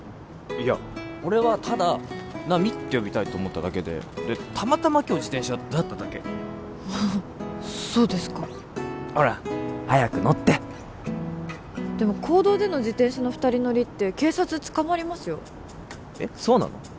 いや俺はただ「奈未」って呼びたいと思っただけででたまたま今日自転車だっただけああそうですかほら早く乗ってでも公道での自転車の２人乗りって警察捕まりますよえっそうなの？